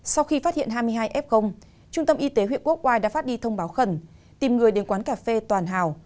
sau khi phát hiện hai mươi hai f trung tâm y tế huyện quốc oai đã phát đi thông báo khẩn tìm người đến quán cà phê toàn hào